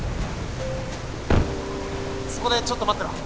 そこでちょっと待ってろ